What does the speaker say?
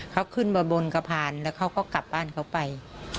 เขาขึ้นมาบนกระพานแล้วเขาก็กลับบ้านเขาไป